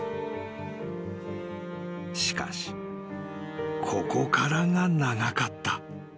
［しかしここからが長かった］